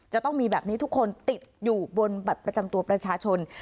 จะต้องมีแบบนี้ทุกคนติดอยู่บนบัตรประจำตัวประชาชน